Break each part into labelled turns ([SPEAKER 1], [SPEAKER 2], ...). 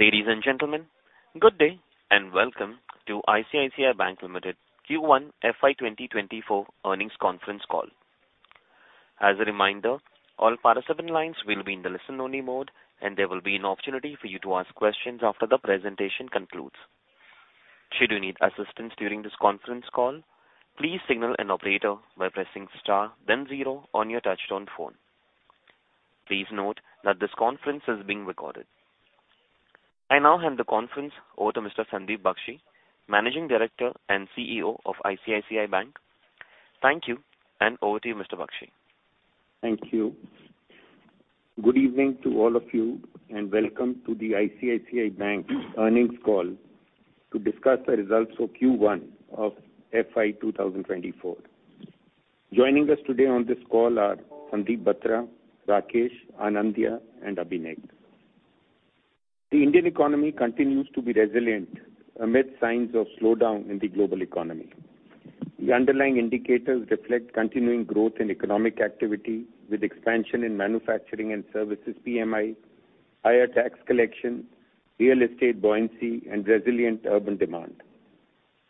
[SPEAKER 1] Ladies and gentlemen, good day, and welcome to ICICI Bank Limited Q1 FY 2024 Earnings Conference Call. As a reminder, all participant lines will be in the listen-only mode, and there will be an opportunity for you to ask questions after the presentation concludes. Should you need assistance during this conference call, please signal an operator by pressing star, then zero on your touchtone phone. Please note that this conference is being recorded. I now hand the conference over to Mr. Sandeep Bakhshi, Managing Director and CEO of ICICI Bank. Thank you, and over to you, Mr. Bakhshi.
[SPEAKER 2] Thank you. Good evening to all of you, welcome to the ICICI Bank Earnings Call to discuss the results for Q1 of FY 2024. Joining us today on this call are Sandeep Batra, Rakesh, Anindya, and Abhinek. The Indian economy continues to be resilient amid signs of slowdown in the global economy. The underlying indicators reflect continuing growth in economic activity, with expansion in manufacturing and services PMI, higher tax collection, real estate buoyancy, and resilient urban demand.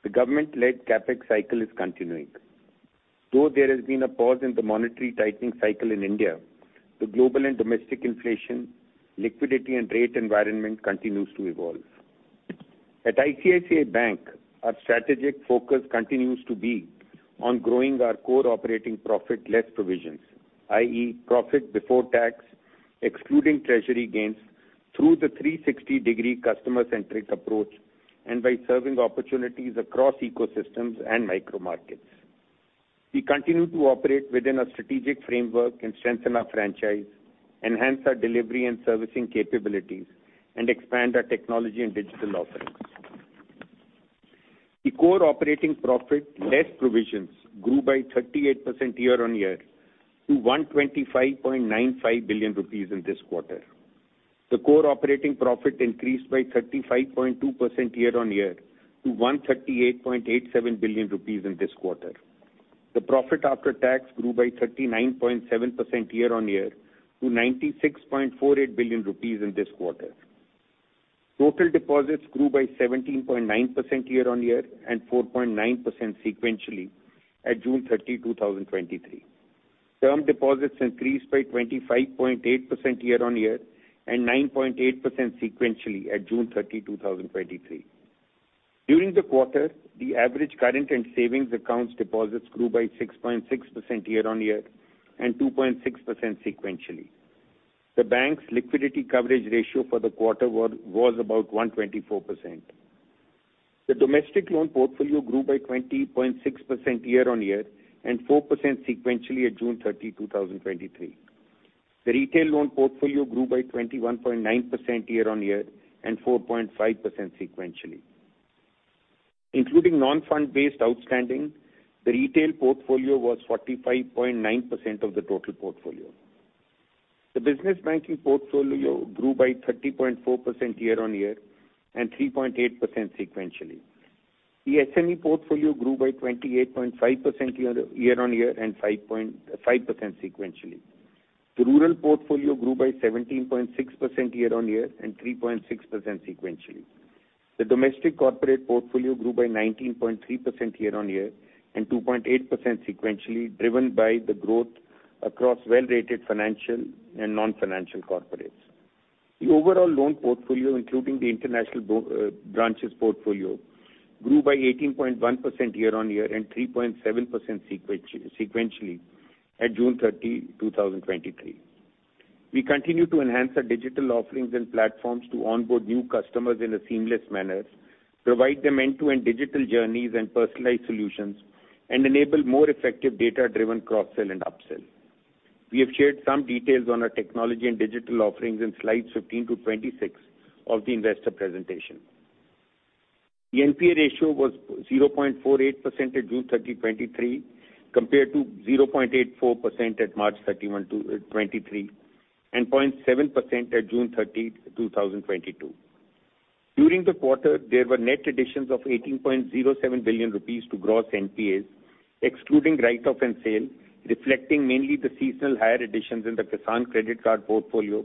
[SPEAKER 2] The government-led CapEx cycle is continuing. Though there has been a pause in the monetary tightening cycle in India, the global and domestic inflation, liquidity, and rate environment continues to evolve. At ICICI Bank, our strategic focus continues to be on growing our core operating profit less provisions, i.e. profit before tax, excluding treasury gains, through the 360-degree customer-centric approach and by serving opportunities across ecosystems and micro markets. We continue to operate within a strategic framework and strengthen our franchise, enhance our delivery and servicing capabilities, and expand our technology and digital offerings. The core operating profit less provisions grew by 38% year-on-year to 125.95 billion rupees in this quarter. The core operating profit increased by 35.2% year-on-year to 138.87 billion rupees in this quarter. The profit after tax grew by 39.7% year-on-year to 96.48 billion rupees in this quarter. Total deposits grew by 17.9% year-on-year and 4.9% sequentially at June 30, 2023. Term deposits increased by 25.8% year-on-year and 9.8% sequentially at June 30, 2023. During the quarter, the average current and savings accounts deposits grew by 6.6% year-on-year and 2.6% sequentially. The bank's liquidity coverage ratio for the quarter was about 124%. The domestic loan portfolio grew by 20.6% year-on-year and 4% sequentially at June 30, 2023. The retail loan portfolio grew by 21.9% year-on-year and 4.5% sequentially. Including non-fund-based outstanding, the retail portfolio was 45.9% of the total portfolio. The business banking portfolio grew by 30.4% year-on-year and 3.8% sequentially. The SME portfolio grew by 28.5% year-on-year and 5.5% sequentially. The rural portfolio grew by 17.6% year-on-year and 3.6% sequentially. The domestic corporate portfolio grew by 19.3% year-on-year and 2.8% sequentially, driven by the growth across well-rated financial and non-financial corporates. The overall loan portfolio, including the international branches portfolio, grew by 18.1% year-on-year and 3.7% sequentially at June 30, 2023. We continue to enhance our digital offerings and platforms to onboard new customers in a seamless manner, provide them end-to-end digital journeys and personalized solutions, and enable more effective data-driven cross-sell and upsell. We have shared some details on our technology and digital offerings in slides 15 to 26 of the investor presentation. The NPA ratio was 0.48% at June 30, 2023, compared to 0.84% at March 31, 2023, and 0.7% at June 30, 2022. During the quarter, there were net additions of 18.07 billion rupees to gross NPAs, excluding write-off and sale, reflecting mainly the seasonal higher additions in the Kisan Credit Card portfolio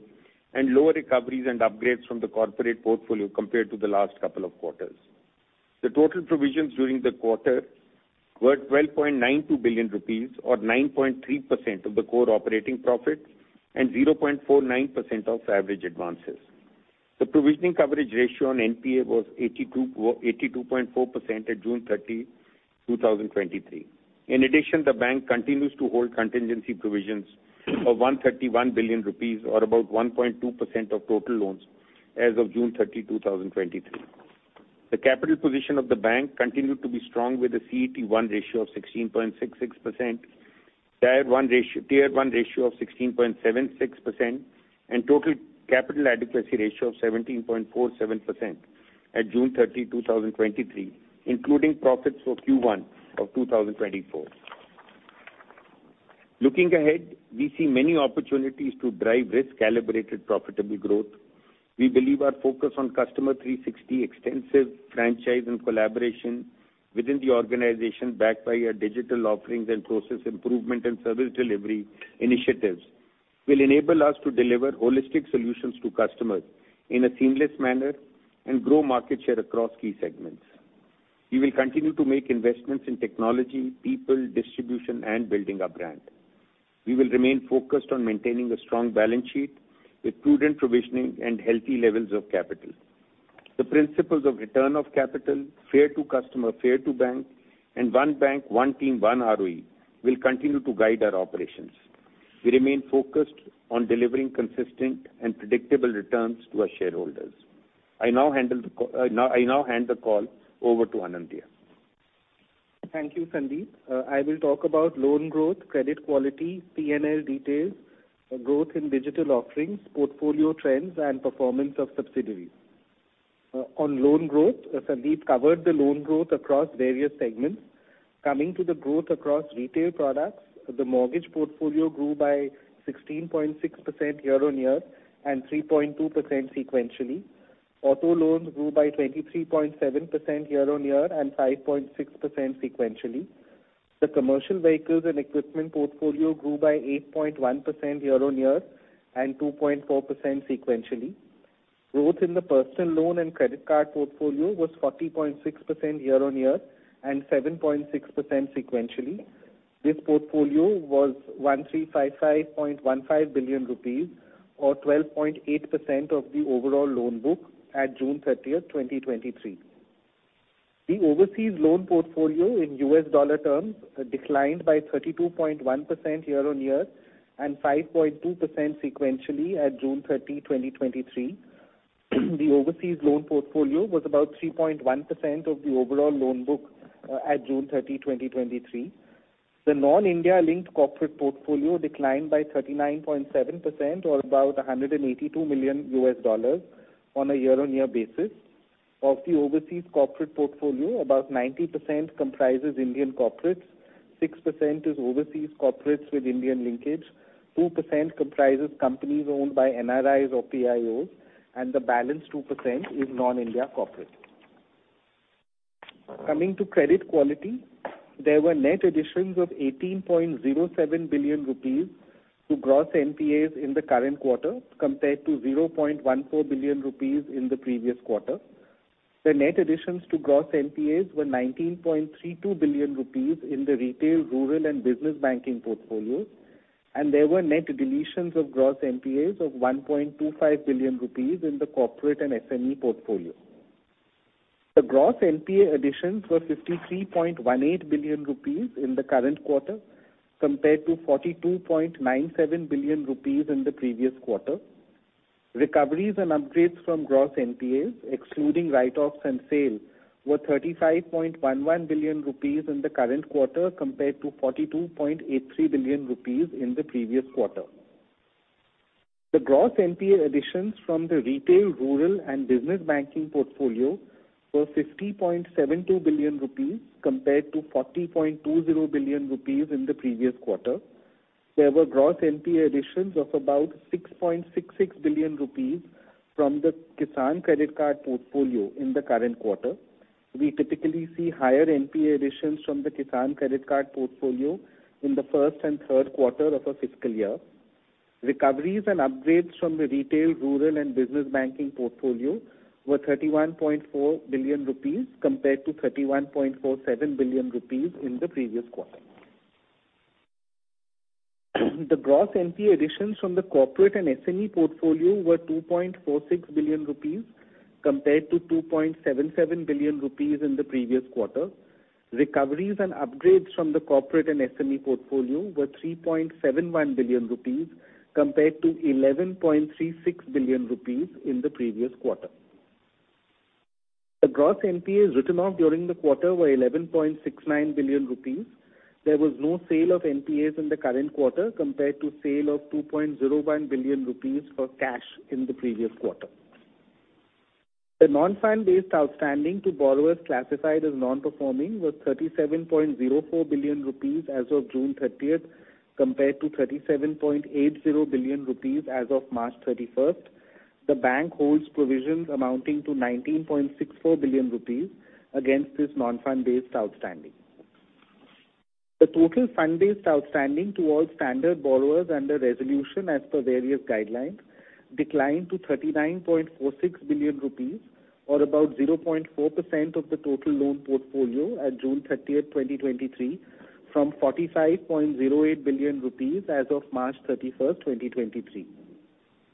[SPEAKER 2] and lower recoveries and upgrades from the corporate portfolio compared to the last couple of quarters. The total provisions during the quarter were 12.92 billion rupees, or 9.3% of the core operating profit and 0.49% of average advances. The provisioning coverage ratio on NPA was 82.4% at June 30, 2023. In addition, the bank continues to hold contingency provisions of 131 billion rupees, or about 1.2% of total loans, as of June 30, 2023. The capital position of the bank continued to be strong, with a CET1 ratio of 16.66%, Tier One ratio of 16.76%, and total capital adequacy ratio of 17.47% at June 30, 2023, including profits for Q1 of 2024. Looking ahead, we see many opportunities to drive risk-calibrated, profitable growth. We believe our focus on customer 360 extensive franchise and collaboration within the organization, backed by our digital offerings and process improvement and service delivery initiatives, will enable us to deliver holistic solutions to customers in a seamless manner and grow market share across key segments. We will continue to make investments in technology, people, distribution, and building our brand. We will remain focused on maintaining a strong balance sheet with prudent provisioning and healthy levels of capital. The principles of return of capital, fair to customer, fair to bank, and one bank, one team, one ROE, will continue to guide our operations. We remain focused on delivering consistent and predictable returns to our shareholders. I now hand the call over to Anindya.
[SPEAKER 3] Thank you, Sandeep. I will talk about loan growth, credit quality, PNL details, growth in digital offerings, portfolio trends, and performance of subsidiaries. On loan growth, Sandeep covered the loan growth across various segments. Coming to the growth across retail products, the mortgage portfolio grew by 16.6% year-on-year and 3.2% sequentially. Auto loans grew by 23.7% year-on-year and 5.6% sequentially. The commercial vehicles and equipment portfolio grew by 8.1% year-on-year and 2.4% sequentially. Growth in the personal loan and credit card portfolio was 40.6% year-on-year and 7.6% sequentially. This portfolio was 1,355.15 billion rupees or 12.8% of the overall loan book at June 30th, 2023. The overseas loan portfolio in US dollar terms declined by 32.1% year-on-year and 5.2% sequentially at June 30, 2023. The overseas loan portfolio was about 3.1% of the overall loan book at June 30, 2023. The non-India linked corporate portfolio declined by 39.7% or about $182 million on a year-on-year basis. Of the overseas corporate portfolio, about 90% comprises Indian corporates, 6% is overseas corporates with Indian linkage, 2% comprises companies owned by NRIs or PIOs, and the balance 2% is non-India corporate. Coming to credit quality, there were net additions of 18.07 billion rupees to gross NPAs in the current quarter, compared to 0.14 billion rupees in the previous quarter. The net additions to gross NPAs were 19.32 billion rupees in the retail, rural, and business banking portfolios. There were net deletions of gross NPAs of 1.25 billion rupees in the corporate and SME portfolio. The gross NPA additions were 53.18 billion rupees in the current quarter, compared to 42.97 billion rupees in the previous quarter. Recoveries and upgrades from gross NPAs, excluding write-offs and sales, were 35.11 billion rupees in the current quarter, compared to 42.83 billion rupees in the previous quarter. The gross NPA additions from the retail, rural, and business banking portfolio were 50.72 billion rupees, compared to 40.20 billion rupees in the previous quarter. There were gross NPA additions of about 6.66 billion rupees from the Kisan Credit Card portfolio in the current quarter. We typically see higher NPA additions from the Kisan Credit Card portfolio in the first and third quarter of a fiscal year. Recoveries and upgrades from the retail, rural, and business banking portfolio were 31.4 billion rupees, compared to 31.47 billion rupees in the previous quarter. The gross NPA additions from the corporate and SME portfolio were 2.46 billion rupees, compared to 2.77 billion rupees in the previous quarter. Recoveries and upgrades from the corporate and SME portfolio were 3.71 billion rupees, compared to 11.36 billion rupees in the previous quarter. The gross NPAs written off during the quarter were 11.69 billion rupees. There was no sale of NPAs in the current quarter, compared to sale of 2.01 billion rupees for cash in the previous quarter. The non-fund based outstanding to borrowers classified as non-performing was 37.04 billion rupees as of June 30th, compared to 37.80 billion rupees as of March 31st. The bank holds provisions amounting to 19.64 billion rupees against this non-fund based outstanding. The total fund-based outstanding towards standard borrowers under resolution as per various guidelines, declined to 39.46 billion rupees, or about 0.4% of the total loan portfolio at June 30th, 2023, from 45.08 billion rupees as of March 31st, 2023.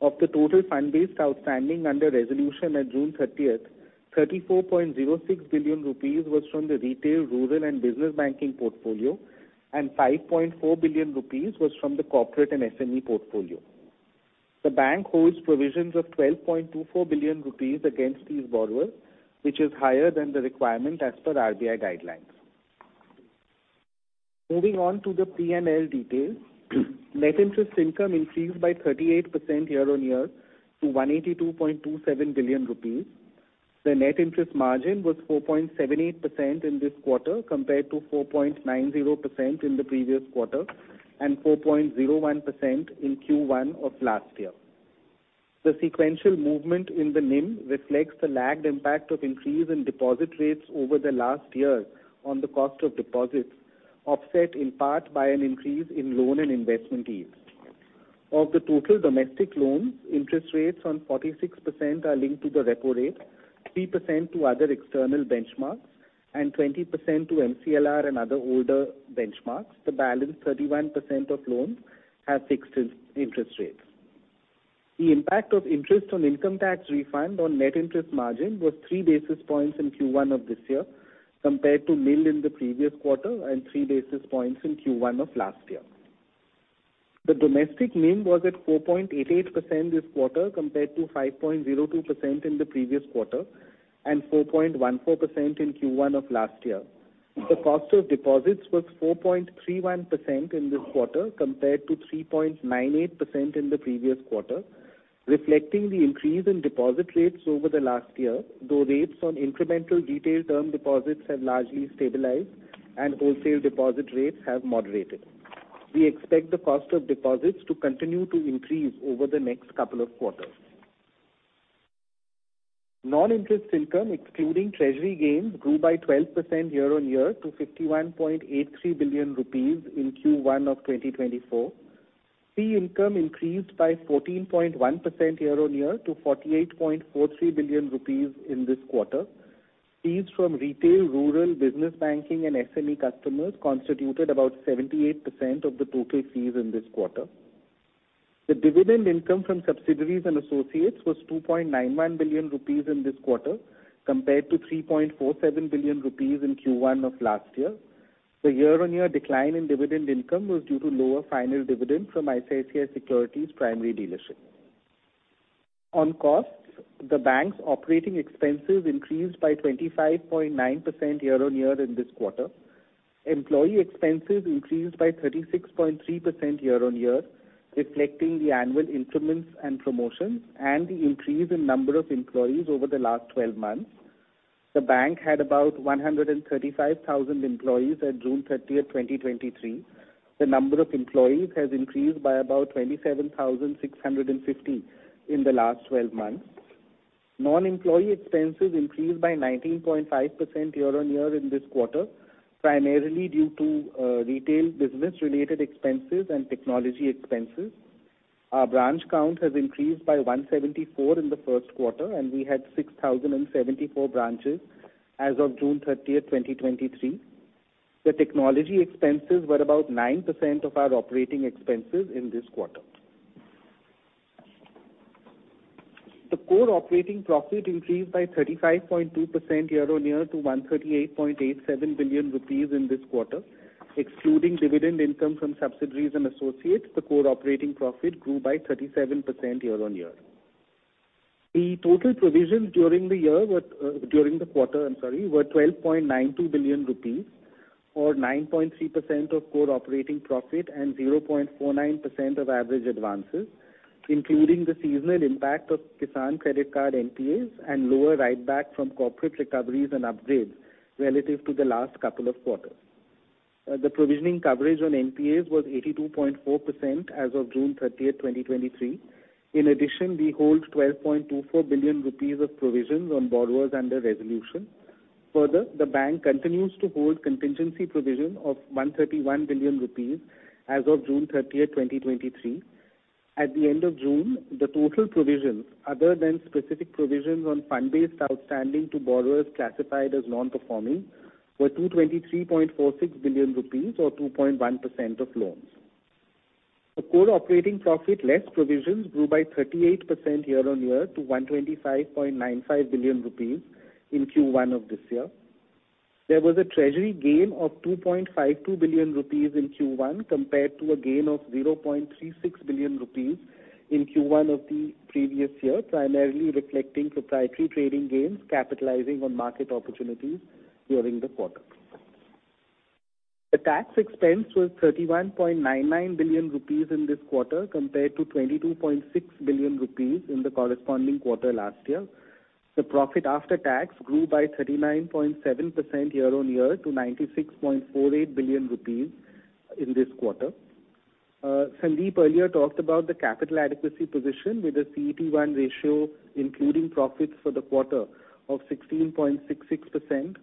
[SPEAKER 3] Of the total fund-based outstanding under resolution at June 30th, 34.06 billion rupees was from the retail, rural, and business banking portfolio, and 5.4 billion rupees was from the corporate and SME portfolio. The bank holds provisions of 12.24 billion rupees against these borrowers, which is higher than the requirement as per RBI guidelines. Moving on to the PNL details. Net interest income increased by 38% year-on-year to 182.27 billion rupees. The net interest margin was 4.78% in this quarter, compared to 4.90% in the previous quarter, and 4.01% in Q1 of last year. The sequential movement in the NIM reflects the lagged impact of increase in deposit rates over the last year on the cost of deposits, offset in part by an increase in loan and investment yields. Of the total domestic loans, interest rates on 46% are linked to the repo rate, 3% to other external benchmarks, and 20% to MCLR and other older benchmarks. The balance, 31% of loans, have fixed in- interest rates. The impact of interest on income tax refund on net interest margin was 3 basis points in Q1 of this year, compared to nil in the previous quarter and three basis points in Q1 of last year. The domestic NIM was at 4.88% this quarter, compared to 5.02% in the previous quarter and 4.14% in Q1 of last year. The cost of deposits was 4.31% in this quarter, compared to 3.98% in the previous quarter, reflecting the increase in deposit rates over the last year, though rates on incremental retail term deposits have largely stabilized and wholesale deposit rates have moderated. We expect the cost of deposits to continue to increase over the next couple of quarters. Non-interest income, excluding treasury gains, grew by 12% year-on-year to 51.83 billion rupees in Q1 of 2024. Fee income increased by 14.1% year-on-year to 48.43 billion rupees in this quarter. Fees from retail, rural, business banking and SME customers constituted about 78% of the total fees in this quarter. The dividend income from subsidiaries and associates was 2.91 billion rupees in this quarter, compared to 3.47 billion rupees in Q1 of last year. The year-on-year decline in dividend income was due to lower final dividend from ICICI Securities' Primary Dealership. On costs, the bank's operating expenses increased by 25.9% year-on-year in this quarter. Employee expenses increased by 36.3% year-on-year, reflecting the annual increments and promotions and the increase in number of employees over the last 12 months. The bank had about 135,000 employees at June 30, 2023. The number of employees has increased by about 27,650 in the last 12 months. Non-employee expenses increased by 19.5% year-on-year in this quarter, primarily due to retail business-related expenses and technology expenses. Our branch count has increased by 174 in the Q1. We had 6,074 branches as of June 30, 2023. The technology expenses were about 9% of our operating expenses in this quarter. The core operating profit increased by 35.2% year-on-year to 138.87 billion rupees in this quarter. Excluding dividend income from subsidiaries and associates, the core operating profit grew by 37% year-on-year. The total provisions during the quarter, I'm sorry, were 12.92 billion rupees, or 9.3% of core operating profit and 0.49% of average advances, including the seasonal impact of Kisan Credit Card NPAs and lower write-back from corporate recoveries and upgrades relative to the last couple of quarters. The provisioning coverage on NPAs was 82.4% as of June 30, 2023. In addition, we hold 12.24 billion rupees of provisions on borrowers under resolution. Further, the bank continues to hold contingency provision of 131 billion rupees as of June 30, 2023. At the end of June, the total provisions, other than specific provisions on fund-based outstanding to borrowers classified as non-performing, were 223.46 billion rupees or 2.1% of loans. The core operating profit, less provisions, grew by 38% year-on-year to 125.95 billion rupees in Q1 of this year. There was a treasury gain of 2.52 billion rupees in Q1, compared to a gain of 0.36 billion rupees in Q1 of the previous year, primarily reflecting proprietary trading gains, capitalizing on market opportunities during the quarter. The tax expense was 31.99 billion rupees in this quarter, compared to 22.6 billion rupees in the corresponding quarter last year. The profit after tax grew by 39.7% year-on-year to 96.48 billion rupees in this quarter. Sandeep earlier talked about the capital adequacy position with a CET1 ratio, including profits for the quarter of 16.66%,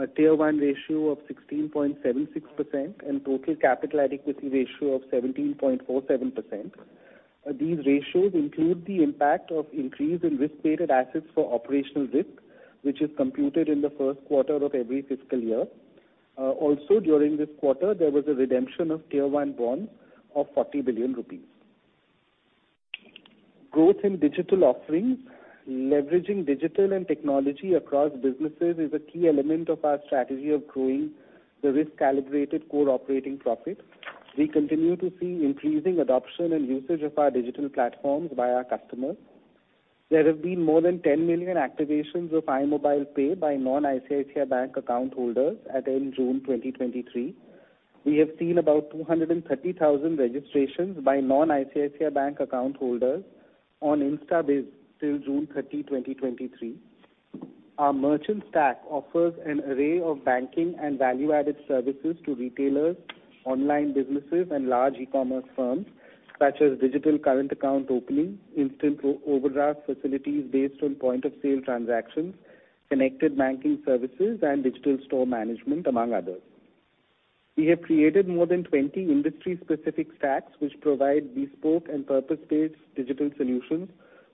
[SPEAKER 3] a Tier 1 ratio of 16.76%, and total capital adequacy ratio of 17.47%. These ratios include the impact of increase in risk-weighted assets for operational risk, which is computed in the Q1 of every fiscal year. Also, during this quarter, there was a redemption of Tier 1 bond of 40 billion rupees. Growth in digital offerings. Leveraging digital and technology across businesses is a key element of our strategy of growing the risk-calibrated core operating profit. We continue to see increasing adoption and usage of our digital platforms by our customers. There have been more than 10 million activations of iMobile Pay by non-ICICI Bank account holders at end June 2023. We have seen about 230,000 registrations by non-ICICI Bank account holders on InstaBIZ till June 30, 2023. Our Merchant Stack offers an array of banking and value-added services to retailers, online businesses, and large e-commerce firms, such as digital current account opening, instant overdraft facilities based on point-of-sale transactions, connected banking services, and digital store management, among others. We have created more than 20 industry-specific stacks, which provide bespoke and purpose-based digital solutions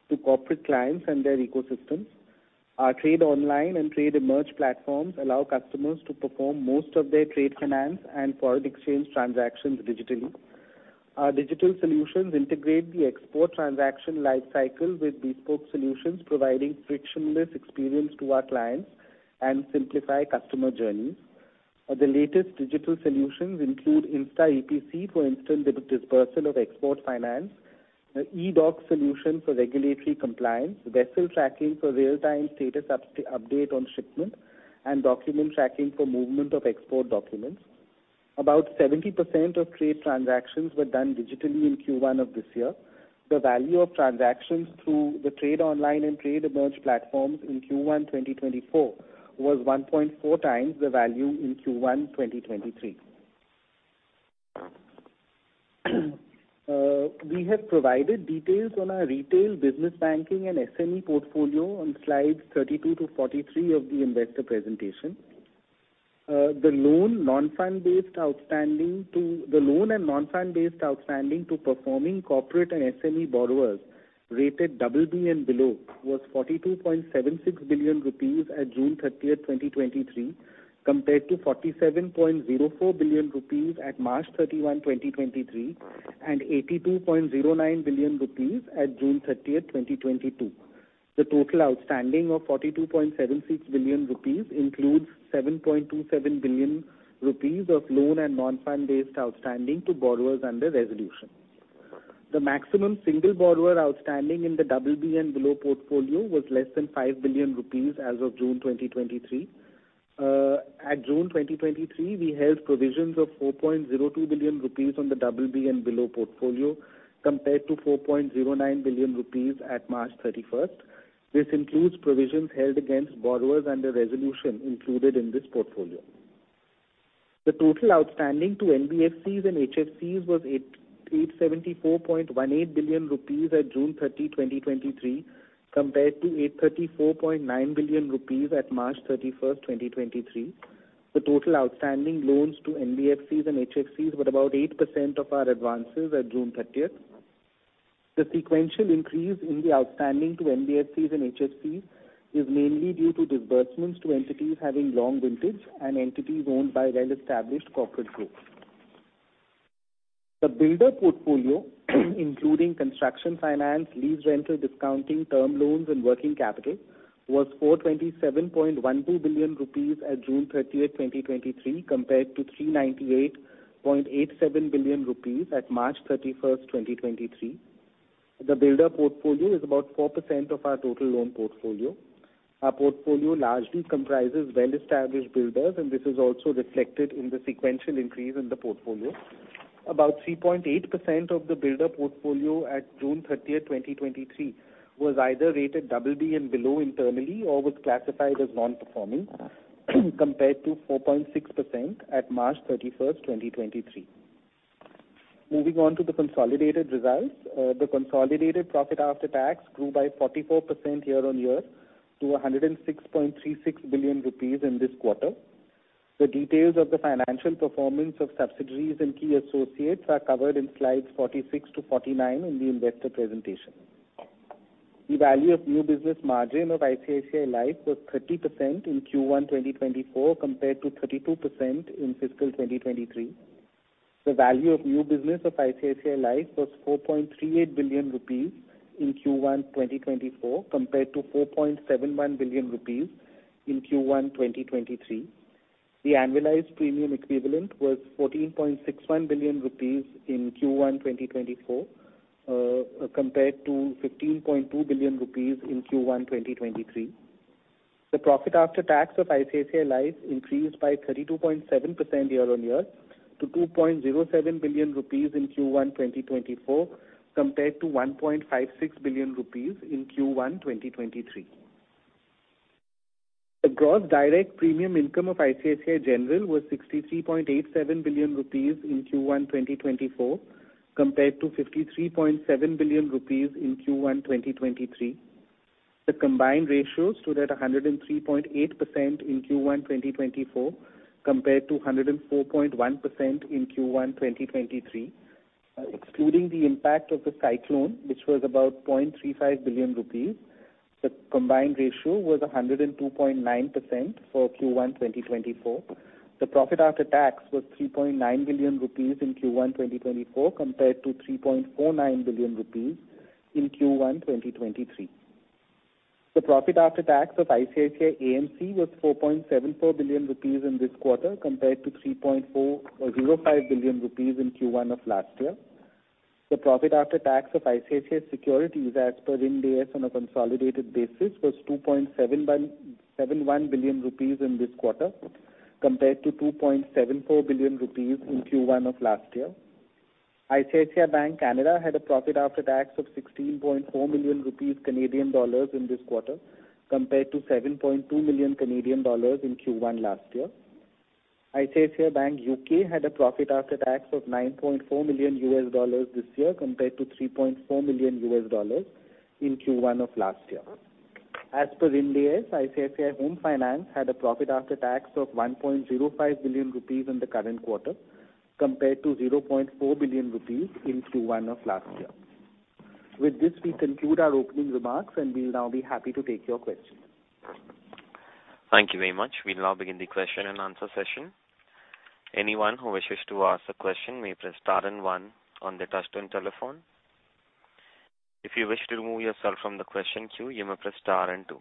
[SPEAKER 3] to corporate clients and their ecosystems. Our Trade Online and Trade Emerge platforms allow customers to perform most of their trade finance and foreign exchange transactions digitally. Our digital solutions integrate the export transaction lifecycle with bespoke solutions, providing frictionless experience to our clients and simplify customer journeys. The latest digital solutions include Insta EPC, for instant disbursal of export finance, the eDocs solution for regulatory compliance, vessel tracking for real-time status update on shipment, and document tracking for movement of export documents. About 70% of trade transactions were done digitally in Q1 of this year. The value of transactions through the Trade Online and Trade Emerge platforms in Q1, 2024, was 1.4x the value in Q1, 2023. We have provided details on our retail business banking and SME portfolio on slides 32 to 43 of the investor presentation. The loan and non-fund based outstanding to performing corporate and SME borrowers rated BB and below, was 42.76 billion rupees at June 30, 2023, compared to 47.04 billion rupees at March 31, 2023, and 82.09 billion rupees at June 30, 2022. The total outstanding of 42.76 billion rupees includes 7.27 billion rupees of loan and non-fund based outstanding to borrowers under resolution. The maximum single borrower outstanding in the BB and below portfolio was less than 5 billion rupees as of June 2023. At June 2023, we held provisions of 4.02 billion rupees on the BB and below portfolio, compared to 4.09 billion rupees at March 31st. This includes provisions held against borrowers under resolution included in this portfolio. The total outstanding to NBFCs and HFCs was 874.18 billion rupees at June 30, 2023, compared to 834.9 billion rupees at March 31st, 2023. The total outstanding loans to NBFCs and HFCs were about 8% of our advances at June 30th. The sequential increase in the outstanding to NBFCs and HFCs is mainly due to disbursements to entities having long vintage and entities owned by well-established corporate groups. The builder portfolio, including construction finance, lease, rental, discounting, term loans, and working capital, was 427.12 billion rupees at June 30, 2023, compared to 398.87 billion rupees at March 31, 2023. The builder portfolio is about 4% of our total loan portfolio. Our portfolio largely comprises well-established builders, and this is also reflected in the sequential increase in the portfolio. About 3.8% of the builder portfolio at June 30, 2023, was either rated BB and below internally or was classified as non-performing, compared to 4.6% at March 31, 2023. Moving on to the consolidated results. The consolidated profit after tax grew by 44% year-on-year to 106.36 billion rupees in this quarter. The details of the financial performance of subsidiaries and key associates are covered in slides 46 to 49 in the investor presentation. The value of new business margin of ICICI Life was 30% in Q1 2024, compared to 32% in fiscal 2023. The value of new business of ICICI Life was 4.38 billion rupees in Q1 2024, compared to 4.71 billion rupees in Q1 2023. The annualized premium equivalent was 14.61 billion rupees in Q1 2024, compared to 15.2 billion rupees in Q1 2023. The profit after tax of ICICI Life increased by 32.7% year-on-year to 2.07 billion rupees in Q1 2024, compared to 1.56 billion rupees in Q1 2023. The gross direct premium income of ICICI General was 63.87 billion rupees in Q1 2024, compared to 53.7 billion rupees in Q1 2023. The combined ratio stood at 103.8% in Q1 2024, compared to 104.1% in Q1 2023. Excluding the impact of the cyclone, which was about 0.35 billion rupees, the combined ratio was 102.9% for Q1 2024. The profit after tax was 3.9 billion rupees in Q1 2024, compared to 3.49 billion rupees in Q1 2023. The profit after tax of ICICI AMC was 4.74 billion rupees in this quarter, compared to 3.05 billion rupees in Q1 of last year. The profit after tax of ICICI Securities, as per Ind AS on a consolidated basis, was 2.71 billion rupees in this quarter, compared to 2.74 billion rupees in Q1 of last year. ICICI Bank Canada had a profit after tax of 16.4 million rupees Canadian dollars in this quarter, compared to 7.2 million Canadian dollars in Q1 last year. ICICI Bank UK had a profit after tax of $9.4 million this year, compared to $3.4 million in Q1 of last year. As per Ind AS, ICICI Home Finance had a profit after tax of 1.05 billion rupees in the current quarter, compared to 0.4 billion rupees in Q1 of last year. With this, we conclude our opening remarks, and we will now be happy to take your questions.
[SPEAKER 1] Thank you very much. We'll now begin the question and answer session. Anyone who wishes to ask a question may press star and one on their touchtone telephone. If you wish to remove yourself from the question queue, you may press star and two.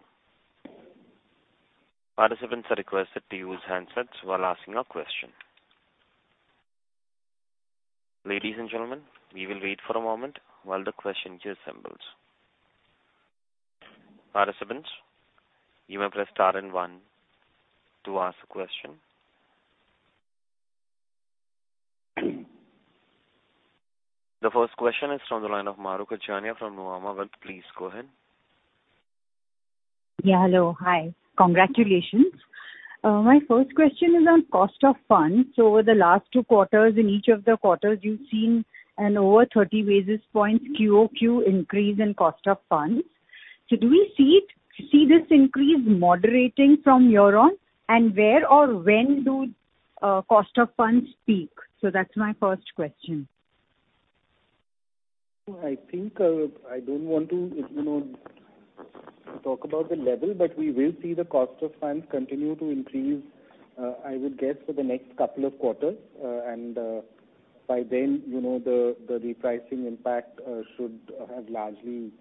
[SPEAKER 1] Participants are requested to use handsets while asking a question. Ladies and gentlemen, we will wait for a moment while the question queue assembles. Participants, you may press star and one to ask a question. The first question is from the line of Mahrukh Adajania from Nuvama Group. Please go ahead.
[SPEAKER 4] Hello. Hi. Congratulations. My first question is on cost of funds. Over the last two quarters, in each of the quarters, you've seen an over 30 basis points QOQ increase in cost of funds. Do we see this increase moderating from your end? Where or when do cost of funds peak? That's my first question.
[SPEAKER 3] I think, I don't want to, you know, talk about the level, but we will see the cost of funds continue to increase, I would guess, for the next couple of quarters. By then, you know, the repricing impact should have largely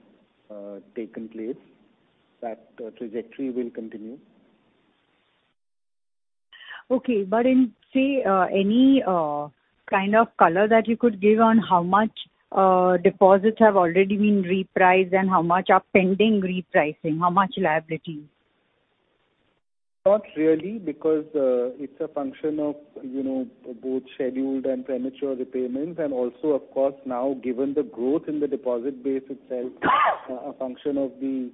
[SPEAKER 3] taken place. That trajectory will continue.
[SPEAKER 4] Okay. In, say, any kind of color that you could give on how much deposits have already been repriced and how much are pending repricing, how much liabilities?
[SPEAKER 3] Not really, because, it's a function of, you know, both scheduled and premature repayments, and also, of course, now, given the growth in the deposit base itself, a function of the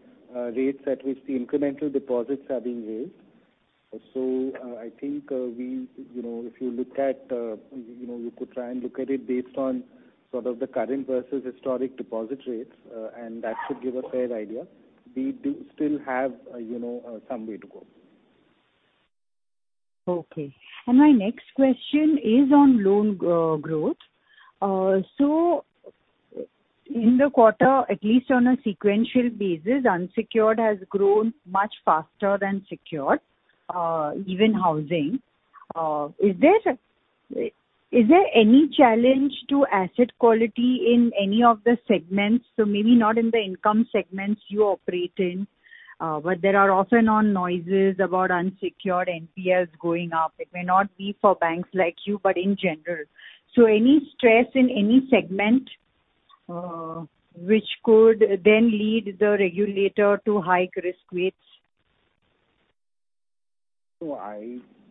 [SPEAKER 3] rates at which the incremental deposits are being raised. I think, we, you know, if you look at, you know, you could try and look at it based on sort of the current versus historic deposit rates, and that should give a fair idea. We do still have, you know, some way to go.
[SPEAKER 4] Okay. My next question is on loan growth. In the quarter, at least on a sequential basis, unsecured has grown much faster than secured, even housing. Is there any challenge to asset quality in any of the segments? Maybe not in the income segments you operate in, but there are off and on noises about unsecured NPLs going up. It may not be for banks like you, but in general. Any stress in any segment, which could then lead the regulator to hike risk weights?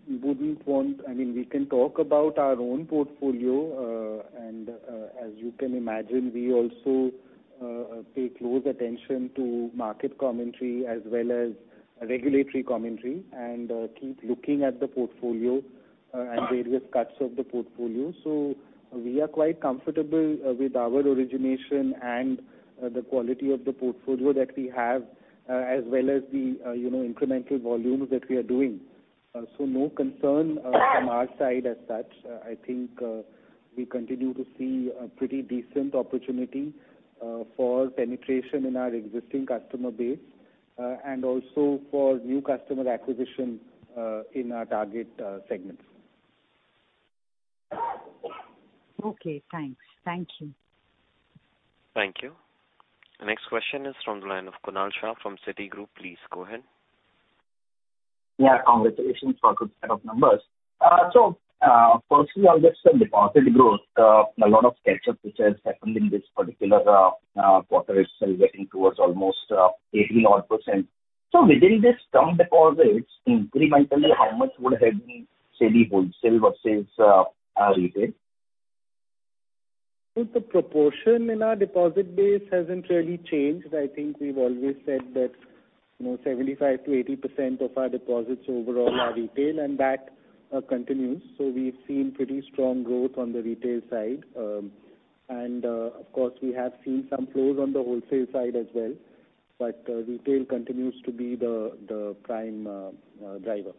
[SPEAKER 3] I mean, we can talk about our own portfolio, and as you can imagine, we also pay close attention to market commentary as well as regulatory commentary and keep looking at the portfolio and various cuts of the portfolio. We are quite comfortable with our origination and the quality of the portfolio that we have, as well as the, you know, incremental volumes that we are doing. No concern from our side as such. I think, we continue to see a pretty decent opportunity for penetration in our existing customer base and also for new customer acquisition in our target segments.
[SPEAKER 4] Okay, thanks. Thank you.
[SPEAKER 1] Thank you. The next question is from the line of Kunal Shah from Citigroup. Please go ahead.
[SPEAKER 5] Yeah, congratulations for a good set of numbers. firstly, on just the deposit growth, a lot of catch-up, which has happened in this particular quarter itself, getting towards almost 80 odd %. Within this term deposits, incrementally, how much would have been, say, the wholesale versus retail?
[SPEAKER 3] The proportion in our deposit base hasn't really changed. I think we've always said that, you know, 75% to 80% of our deposits overall are retail, and that continues. We've seen pretty strong growth on the retail side. Of course, we have seen some flows on the wholesale side as well, but retail continues to be the prime driver.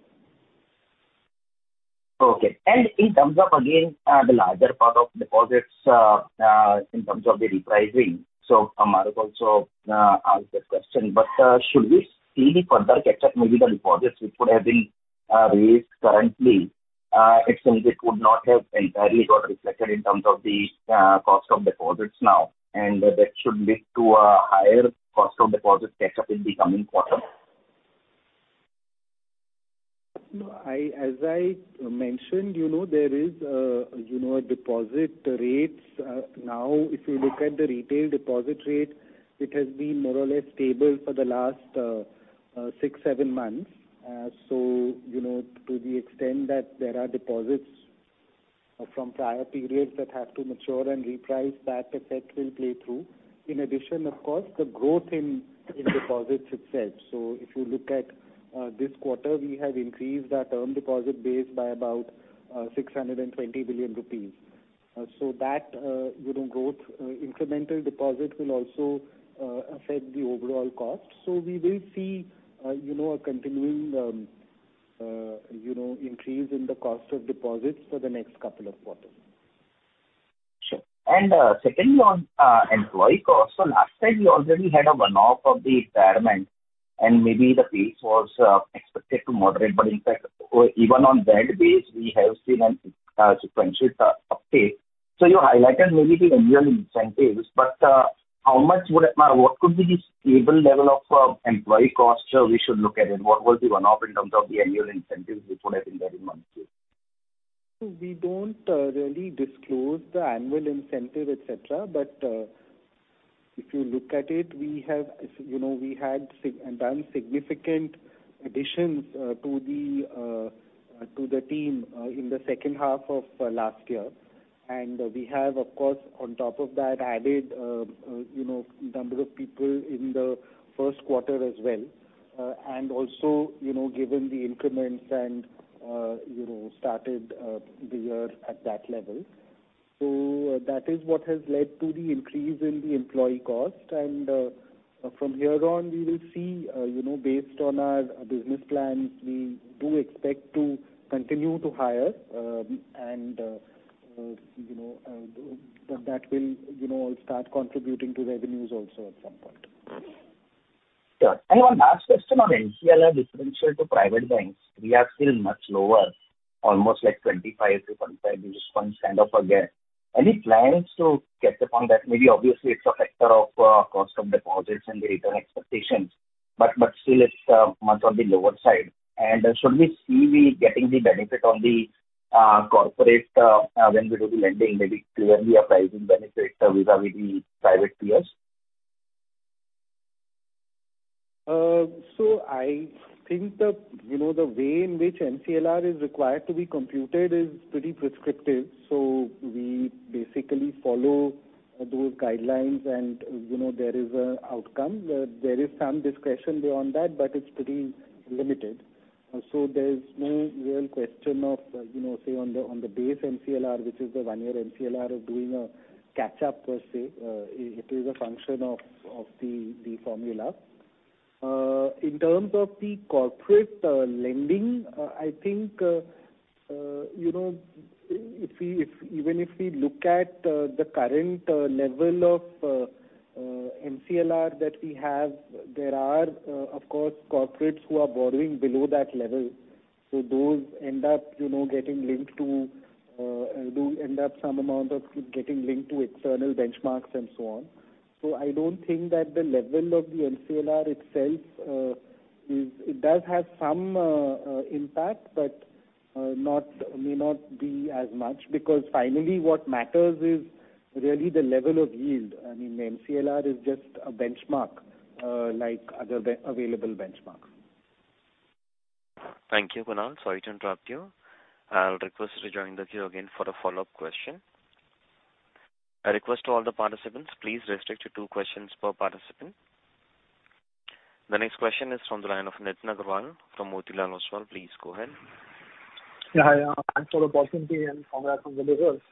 [SPEAKER 5] Okay. In terms of, again, the larger part of deposits, in terms of the repricing, so Mahrukh also asked that question, but should we see any further catch-up, maybe the deposits which would have been raised currently, extent it would not have entirely got reflected in terms of the cost of deposits now, and that should lead to a higher cost of deposit catch-up in the coming quarter?
[SPEAKER 3] I, as I mentioned, you know, there is a, you know, a deposit rates. Now, if you look at the retail deposit rate, it has been more or less stable for the last six, seven months. You know, to the extent that there are deposits from prior periods that have to mature and reprice, that effect will play through. In addition, of course, the growth in deposits itself. If you look at this quarter, we have increased our term deposit base by about 620 billion rupees. That, you know, growth, incremental deposit will also affect the overall cost. We will see, you know, a continuing, you know, increase in the cost of deposits for the next couple of quarters.
[SPEAKER 5] Sure. Secondly, on employee costs, last time you already had a one-off of the retirement, and maybe the pace was expected to moderate, but in fact, even on that base, we have seen a sequential uptake. You highlighted maybe the annual incentives, but how much would, what could be the stable level of employee cost we should look at? What was the run-off in terms of the annual incentives which would have been very much due?
[SPEAKER 3] We don't really disclose the annual incentive, et cetera, but if you look at it, we have, you know, we had done significant additions to the team in the second half of last year. We have, of course, on top of that, added, you know, number of people in the Q1 as well. Also, you know, given the increments and, you know, started the year at that level. That is what has led to the increase in the employee cost. From here on, we will see, you know, based on our business plans, we do expect to continue to hire, and, you know, that will, you know, start contributing to revenues also at some point.
[SPEAKER 5] Sure. One last question on MCLR differential to private banks. We are still much lower, almost like 25% to 15%, which is kind of a gap. Any plans to catch up on that? Maybe obviously, it's a factor of cost of deposits and the return expectations, but still it's much on the lower side. Should we see we getting the benefit on the corporate when we do the lending, maybe clearly a pricing benefit vis-a-vis the private peers?
[SPEAKER 3] I think the, you know, the way in which MCLR is required to be computed is pretty prescriptive. We basically follow those guidelines, and, you know, there is an outcome. There is some discretion beyond that, but it's pretty limited. There's no real question of, you know, say, on the, on the base MCLR, which is the one-year MCLR, of doing a catch-up per se. It is a function of the formula. In terms of the corporate lending, I think, you know, if we even if we look at the current level of MCLR that we have, there are, of course, corporates who are borrowing below that level. Those end up, you know, getting linked to, do end up some amount of getting linked to external benchmarks and so on. I don't think that the level of the MCLR itself, it does have some impact, but not, may not be as much. Finally, what matters is really the level of yield. I mean, the MCLR is just a benchmark, like other available benchmarks.
[SPEAKER 1] Thank you, Kunal. Sorry to interrupt you. I'll request you to join with you again for a follow-up question. A request to all the participants, please restrict to two questions per participant. The next question is from the line of Nitin Aggarwal from Motilal Oswal. Please go ahead.
[SPEAKER 6] Yeah, hi, thanks for the opportunity and congrats on the results.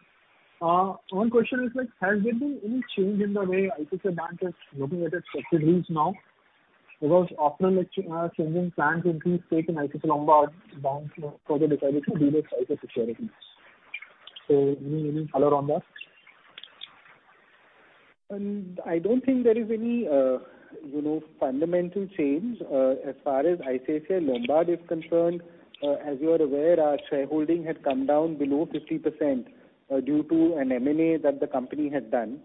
[SPEAKER 6] One question is, like, has there been any change in the way ICICI Bank is looking at its subsidiaries now? After changing plan to increase stake in ICICI Lombard, Bank further decided to build its size of securities. Any color on that?
[SPEAKER 3] I don't think there is any, you know, fundamental change. As far as ICICI Lombard is concerned, as you are aware, our shareholding had come down below 50% due to an M&A that the company had done.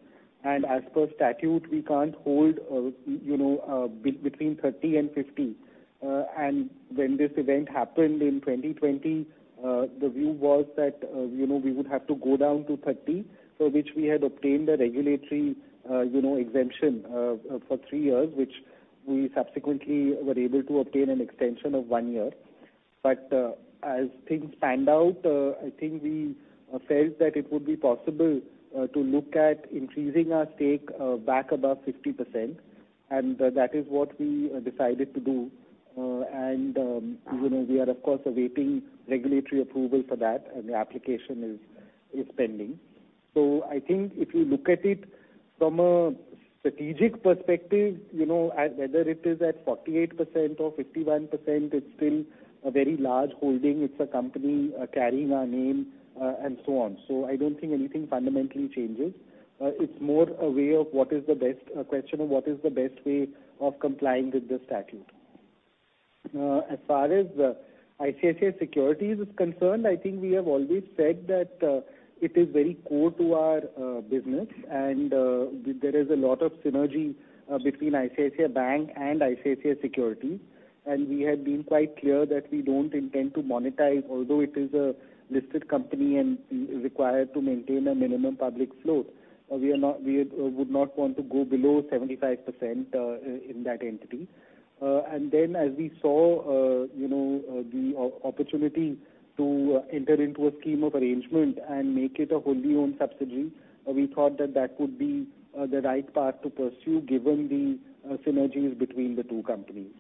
[SPEAKER 3] As per statute, we can't hold, you know, between 30 and 50. When this event happened in 2020, the view was that, you know, we would have to go down to 30, for which we had obtained a regulatory, you know, exemption for three years, which we subsequently were able to obtain an extension of one year. As things panned out, I think we felt that it would be possible to look at increasing our stake back above 50%, and that is what we decided to do. You know, we are, of course, awaiting regulatory approval for that, and the application is pending. I think if you look at it from a strategic perspective, you know, at whether it is at 48% or 51%, it's still a very large holding. It's a company carrying our name, and so on. I don't think anything fundamentally changes. It's more a question of what is the best way of complying with the statute? As far as ICICI Securities is concerned, I think we have always said that it is very core to our business, and there is a lot of synergy between ICICI Bank and ICICI Securities. We have been quite clear that we don't intend to monetize, although it is a listed company and is required to maintain a minimum public float. We would not want to go below 75% in that entity. As we saw, you know, the opportunity to enter into a scheme of arrangement and make it a wholly owned subsidiary, we thought that that would be the right path to pursue, given the synergies between the two companies.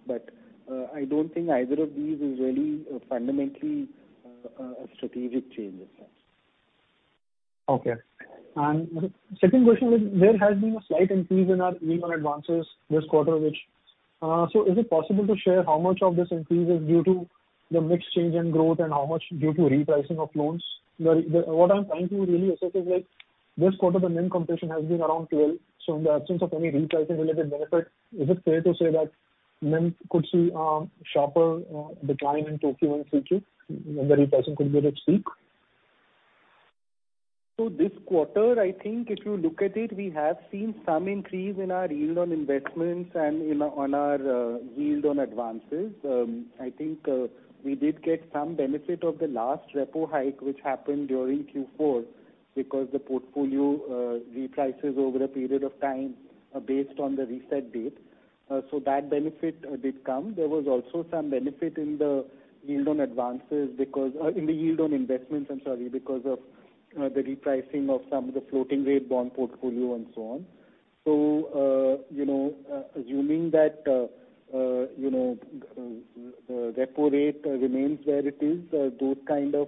[SPEAKER 3] I don't think either of these is really fundamentally a strategic change in sense.
[SPEAKER 6] Okay. Second question is, there has been a slight increase in our yield on advances this quarter. Is it possible to share how much of this increase is due to the mix change in growth and how much due to repricing of loans? What I'm trying to really assess is, like, this quarter, the NIM compression has been around 12%, so in the absence of any repricing-related benefit, is it fair to say that NIM could see a sharper decline in Q1 future, the repricing could be a bit weak?
[SPEAKER 3] This quarter, I think if you look at it, we have seen some increase in our yield on investments and in, on our yield on advances. I think, we did get some benefit of the last repo hike, which happened during Q4, because the portfolio reprices over a period of time are based on the reset date. That benefit did come. There was also some benefit in the yield on advances because, in the yield on investments, I'm sorry, because of the repricing of some of the floating rate bond portfolio and so on. You know, assuming that, you know, the repo rate remains where it is, those kind of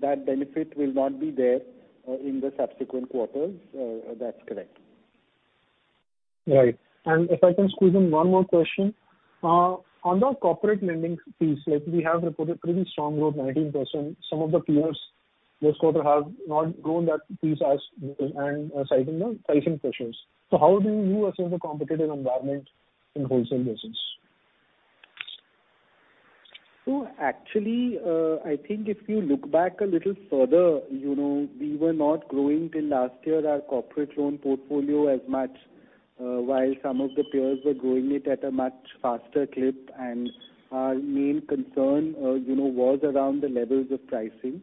[SPEAKER 3] that benefit will not be there in the subsequent quarters. That's correct.
[SPEAKER 6] Right. If I can squeeze in one more question. On the corporate lending piece, like, we have reported pretty strong growth, 19%. Some of the peers this quarter have not grown that piece as and citing the pricing pressures. How do you assess the competitive environment in wholesale business?
[SPEAKER 3] Actually, I think if you look back a little further, you know, we were not growing till last year, our corporate loan portfolio as much, while some of the peers were growing it at a much faster clip. Our main concern, you know, was around the levels of pricing.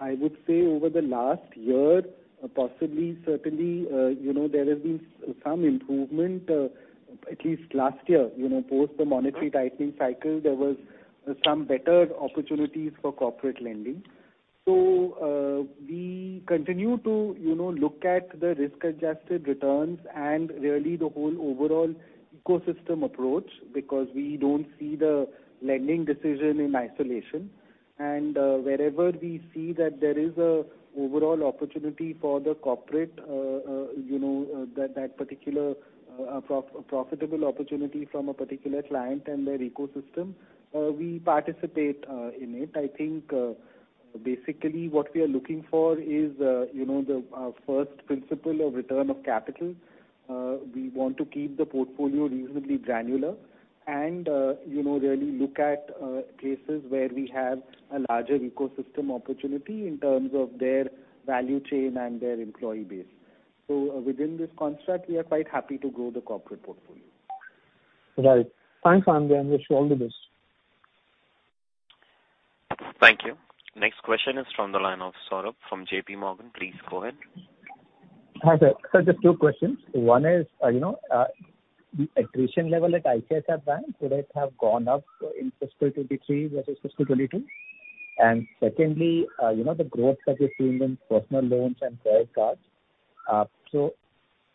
[SPEAKER 3] I would say over the last year, possibly, certainly, you know, there has been some improvement. At least last year, you know, post the monetary tightening cycle, there was some better opportunities for corporate lending. We continue to, you know, look at the risk-adjusted returns and really the whole overall ecosystem approach, because we don't see the lending decision in isolation. Wherever we see that there is a overall opportunity for the corporate, you know, that particular profitable opportunity from a particular client and their ecosystem, we participate in it. I think, basically, what we are looking for is, you know, the, our first principle of return of capital. We want to keep the portfolio reasonably granular and, you know, really look at cases where we have a larger ecosystem opportunity in terms of their value chain and their employee base. Within this construct, we are quite happy to grow the corporate portfolio.
[SPEAKER 6] Right. Thanks, Anindya, and wish you all the best.
[SPEAKER 1] Thank you. Next question is from the line of Saurabh from JP Morgan. Please go ahead.
[SPEAKER 7] Hi, there. Sir, just two questions. One is, the attrition level at ICICI Bank, could it have gone up in fiscal 23 versus fiscal 22? Secondly, the growth that you're seeing in personal loans and credit cards,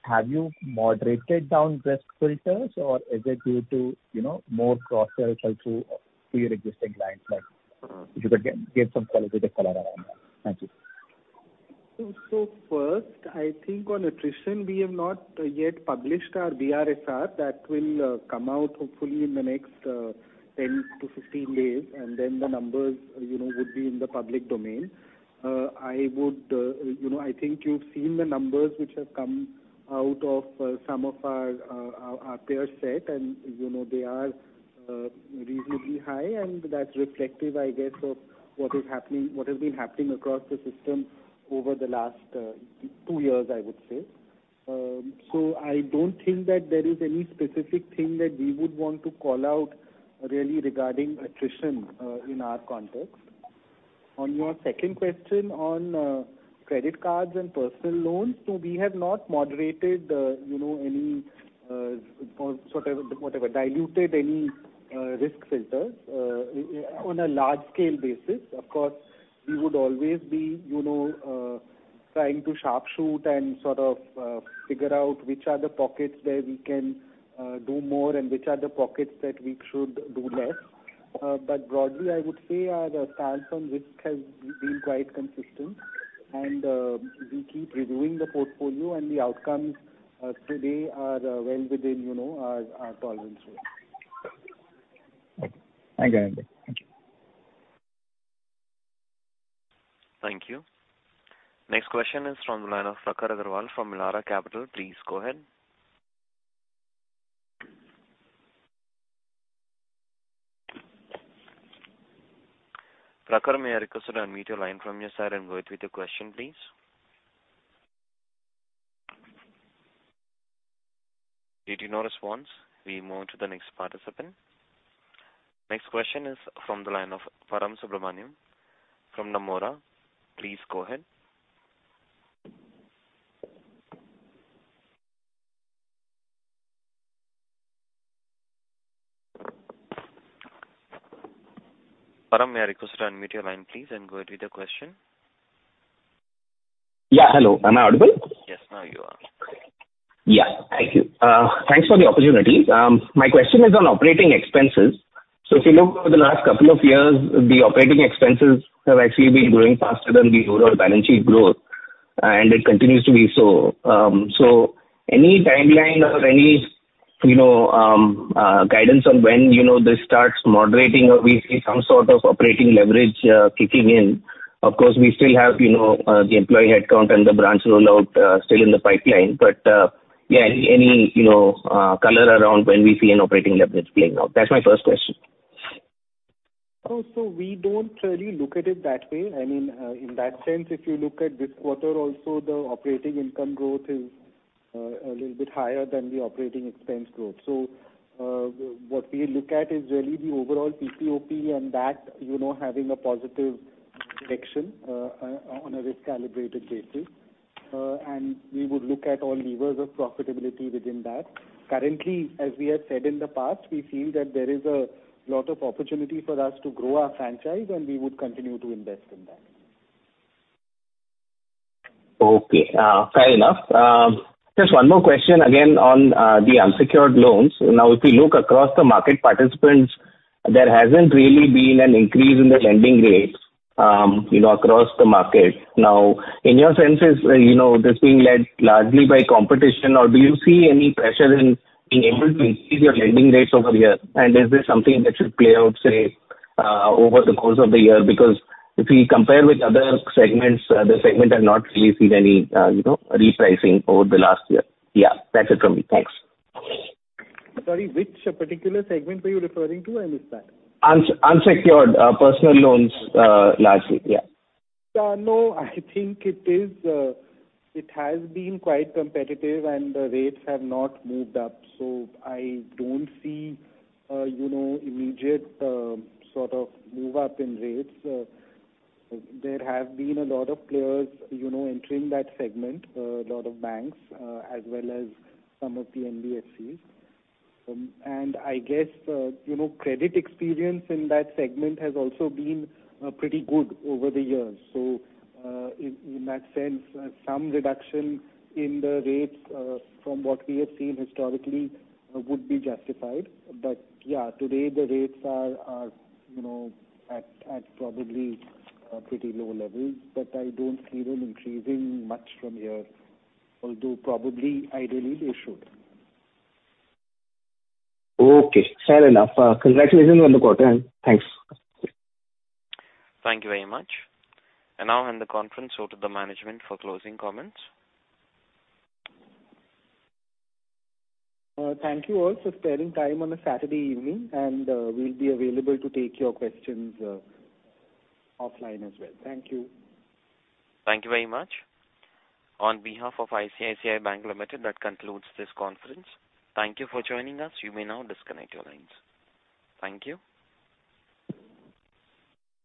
[SPEAKER 7] have you moderated down risk filters or is it due to more cross-sell through to your existing clients? If you could give some qualitative color around that. Thank you.
[SPEAKER 3] First, I think on attrition, we have not yet published our BRSR. That will come out hopefully in the next 10 to 15 days, and then the numbers, you know, would be in the public domain. I would, you know, I think you've seen the numbers which have come out of some of our peer set, and, you know, they are reasonably high, and that's reflective, I guess, of what is happening, what has been happening across the system over the last two years, I would say. I don't think that there is any specific thing that we would want to call out really regarding attrition in our context. On your second question on credit cards and personal loans, we have not moderated, you know, any sort of, whatever, diluted any risk filters on a large-scale basis. Of course, we would always be, you know, trying to sharp shoot and sort of, figure out which are the pockets where we can do more and which are the pockets that we should do less. But broadly, I would say our stance on risk has been quite consistent, and we keep reviewing the portfolio and the outcomes today are well within, you know, our tolerance rate.
[SPEAKER 7] Thank you. Thank you.
[SPEAKER 1] Next question is from the line of Prakhar Agarwal from Elara Capital. Please go ahead. Prakhar, may I request you to unmute your line from your side and go ahead with your question, please? Getting no response, we move to the next participant. Next question is from the line of Param Subramanian from Nomura. Please go ahead. Param, may I request you to unmute your line, please, and go ahead with your question?
[SPEAKER 8] Yeah. Hello, am I audible?
[SPEAKER 1] Yes, now you are.
[SPEAKER 8] Okay. Yeah, thank you. Thanks for the opportunity. My question is on operating expenses. If you look over the last couple of years, the operating expenses have actually been growing faster than the overall balance sheet growth, and it continues to be so. Any timeline or any, you know, guidance on when, you know, this starts moderating or we see some sort of operating leverage kicking in? Of course, we still have, you know, the employee headcount and the branch rollout still in the pipeline. Yeah, any, you know, color around when we see an operating leverage playing out? That's my first question.
[SPEAKER 3] We don't really look at it that way. I mean, in that sense, if you look at this quarter also, the operating income growth is a little bit higher than the operating expense growth. What we look at is really the overall PPOP and that, you know, having a positive direction on a risk-calibrated basis. We would look at all levers of profitability within that. Currently, as we have said in the past, we feel that there is a lot of opportunity for us to grow our franchise, and we would continue to invest in that.
[SPEAKER 8] Okay, fair enough. Just one more question again on the unsecured loans. If you look across the market participants, there hasn't really been an increase in the lending rates, you know, across the market. In your senses, you know, this being led largely by competition, or do you see any pressure in being able to increase your lending rates over here? Is this something that should play out, say, over the course of the year? Because if you compare with other segments, the segment has not really seen any, you know, repricing over the last year. Yeah, that's it from me. Thanks.
[SPEAKER 3] Sorry, which particular segment were you referring to? I missed that.
[SPEAKER 8] Unsecured, personal loans, largely. Yeah.
[SPEAKER 3] I think it is, it has been quite competitive, and the rates have not moved up, so I don't see, you know, immediate, sort of move up in rates. There have been a lot of players, you know, entering that segment, a lot of banks, as well as some of the NBFCs. I guess, you know, credit experience in that segment has also been pretty good over the years. In that sense, some reduction in the rates, from what we have seen historically, would be justified. Yeah, today the rates are, you know, at probably, pretty low levels, but I don't see them increasing much from here, although probably, ideally, they should.
[SPEAKER 8] Okay, fair enough. Congratulations on the quarter, and thanks.
[SPEAKER 1] Thank you very much. I now hand the conference over to the management for closing comments.
[SPEAKER 3] Thank you all for sparing time on a Saturday evening, we'll be available to take your questions offline as well. Thank you.
[SPEAKER 1] Thank you very much. On behalf of ICICI Bank Limited, that concludes this conference. Thank you for joining us. You may now disconnect your lines. Thank you.